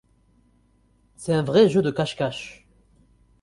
C'était un vrai jeu de cache-cache.